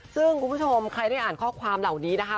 ซึ่งคุณผู้ชมใครได้อ่านข้อความเหล่านี้นะคะ